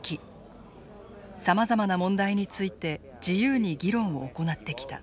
さまざまな問題について自由に議論を行ってきた。